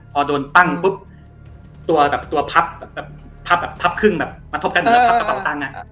พอโดนดังบึ๊บตัวปั๊บครึ่งมาทบกันเหมือนก็ปั๊บกระเป๋าตั้ง